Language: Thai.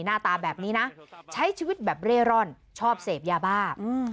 หน้าตาแบบนี้นะใช้ชีวิตแบบเร่ร่อนชอบเสพยาบ้า